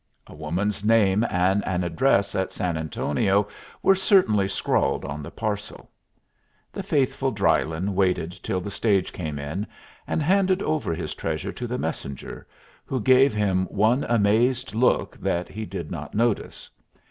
A woman's name and an address at San Antonio were certainly scrawled on the parcel. The faithful Drylyn waited till the stage came in, and handed over his treasure to the messenger, who gave him one amazed look that he did not notice.